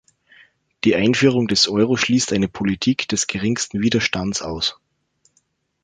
Die Einführung des Euro schließt eine Politik des geringsten Widerstands aus.